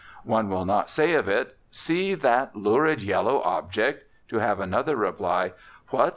One will not say of it, "See that lurid yellow object," to have another reply, "What!